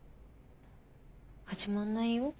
始まんないよ。